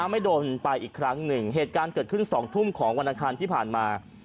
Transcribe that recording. ไม่โดนไปอีกครั้งหนึ่งเหตุการณ์เกิดขึ้น๒ทุ่มของวันอังคารที่ผ่านมา